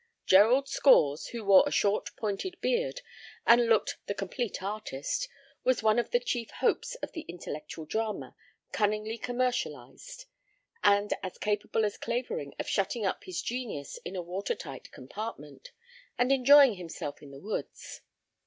Gerald Scores, who wore a short pointed beard and looked the complete artist, was one of the chief hopes of the intellectual drama cunningly commercialized; and as capable as Clavering of shutting up his genius in a water tight compartment, and enjoying himself in the woods.